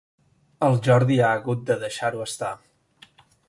El Jordi ha hagut de deixar-ho estar.